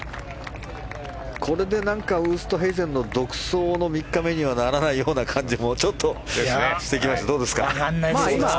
これでウーストヘイゼンの独走の３日目にはならないような感じもちょっとしてきますが。